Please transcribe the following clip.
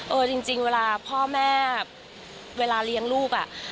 เออจริงเวลาพ่อแม่เวลาเลี้ยงลูกอ่ะ